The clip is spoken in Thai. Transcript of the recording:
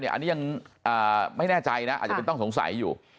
อันนี้ยังไม่แน่ใจนะอาจจะเป็นต้องสงสัยอยู่